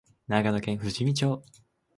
長野県富士見町